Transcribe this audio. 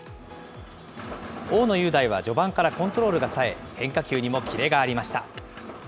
大野雄大は序盤からコントロールがさえ、変化球にもキレがありました。